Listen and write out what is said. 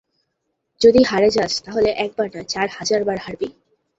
যদি হারে যাস, তাহলে, একবার নয় চার হাজার বার হারবি।